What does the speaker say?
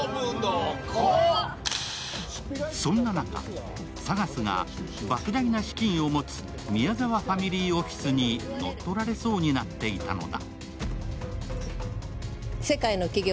そんな中、ＳＡＧＡＳが莫大な資金を持つ宮沢ファミリーオフィスに乗っ取られそうになっていたのだ。